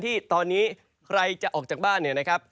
ที่ตอนนี้ใครจะออกจากบ้าน